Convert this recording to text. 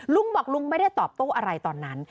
ลุงบอกลุงไม่ได้ตอบโต้อะไรตอนนั้น